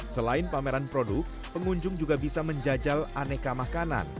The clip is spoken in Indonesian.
selain pameran produk pengunjung juga bisa menjajal aneka makanan